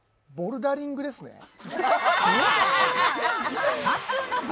ボルダリングですね。